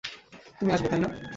তুমি আসবে, তাই না?